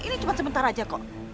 ini cuma sebentar aja kok